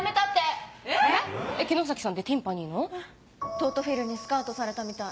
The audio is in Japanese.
東都フィルにスカウトされたみたい。